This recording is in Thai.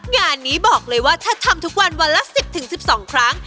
งานนี้บอกเลยว่าถ้าทำทุกวันวันละ๑๐๑๒ครั้ง